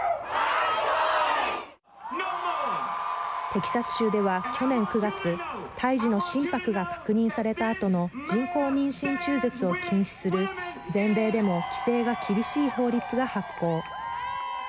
テキサス州では去年９月胎児の心拍が確認されたあとの人工妊娠中絶を禁止する全米でも規制が厳しい法律が発効。